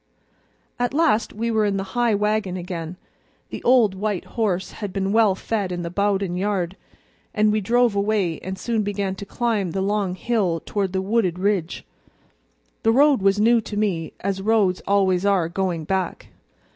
At last we were in the high wagon again; the old white horse had been well fed in the Bowden barn, and we drove away and soon began to climb the long hill toward the wooded ridge. The road was new to me, as roads always are, going back.